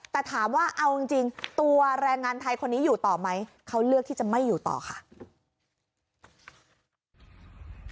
แต่ถามว่าเอาจริงตัวแรงงานไทยคนนี้อยู่ต่อไหมเขาเลือกที่จะไม่อยู่ต่อค่ะ